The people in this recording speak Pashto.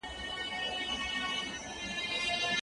د شرطي طلاق یوه بيلګه څه ده؟